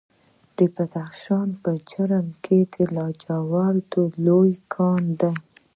د بدخشان په جرم کې د لاجوردو لوی کان دی.